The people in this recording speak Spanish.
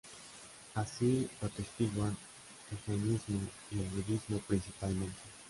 Así lo atestiguan el jainismo y el budismo principalmente.